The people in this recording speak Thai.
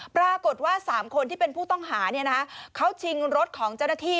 ปรากฏว่า๓คนที่เป็นผู้ต้องหาเขาชิงรถของเจ้าหน้าที่